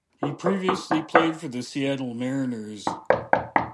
He previously played for the Seattle Mariners.